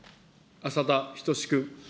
浅田均君。